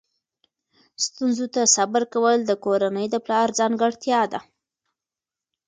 ستونزو ته صبر کول د کورنۍ د پلار ځانګړتیا ده.